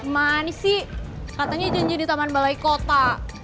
manis sih katanya janji di taman balai kota